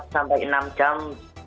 empat sampai enam jam